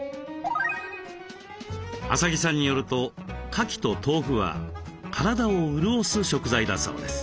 麻木さんによるとかきと豆腐は体を潤す食材だそうです。